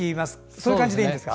そういう感じでいいんですか。